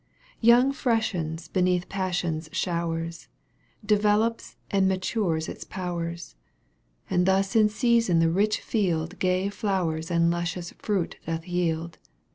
Youth freshens beneath Passion's showers. Develops and matures its powers. And thus in season the rich field Gay flowers and luscious fruit doth yield.